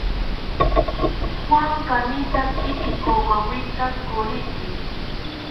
Juan kanitaki ikowawita koriki